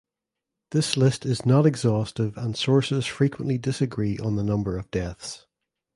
This list is not exhaustive and sources frequently disagree on the number of deaths.